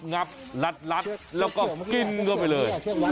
งับลัดแล้วก็กินเข้าไปเลย